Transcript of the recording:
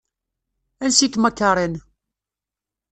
Ansi-kem a Karen?